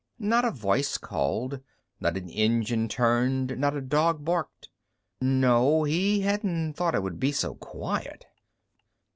Not a voice called; not an engine turned; not a dog barked. No, he hadn't thought it would be so quiet.